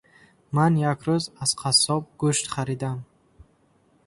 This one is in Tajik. Ман як рӯз аз қассоб гӯшт харидам.